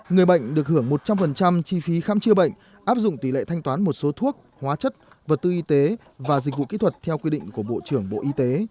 người bệnh được hưởng một trăm linh chi phí khám chữa bệnh áp dụng tỷ lệ thanh toán một số thuốc hóa chất vật tư y tế và dịch vụ kỹ thuật theo quy định của bộ trưởng bộ y tế